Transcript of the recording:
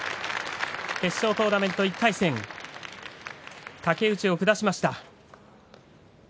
決勝トーナメント１回戦竹内を下しました。